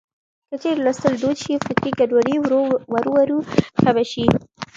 که چېرې لوستل دود شي، فکري ګډوډي ورو ورو کمه شي.